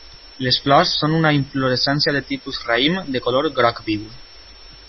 Les flors són una inflorescència de tipus raïm de color groc viu.